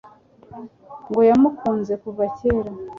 ngo yamukunze kuva kera